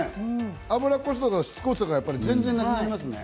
脂っこさとしつこさが全然なくなりますね。